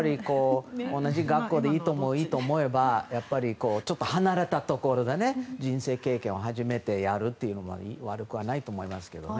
同じ学校でいいとも思えばちょっと離れたところで人生経験を初めてやるのも悪くはないと思いますけどね。